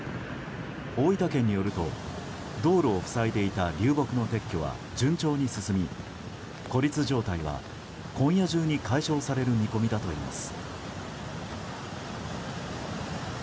大分県によると道路を塞いでいた流木の撤去は順調に進み、孤立状態は今夜中に解消される見込みだといいます。